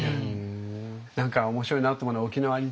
何か面白いなと思うのは沖縄に行ってね